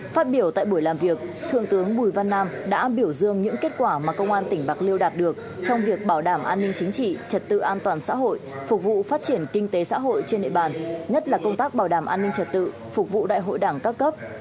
phát biểu tại buổi làm việc thượng tướng bùi văn nam đã biểu dương những kết quả mà công an tỉnh bạc liêu đạt được trong việc bảo đảm an ninh chính trị trật tự an toàn xã hội phục vụ phát triển kinh tế xã hội trên địa bàn nhất là công tác bảo đảm an ninh trật tự phục vụ đại hội đảng các cấp